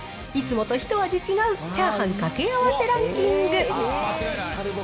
いつもと一味違うチャーハンかけ合わせランキング。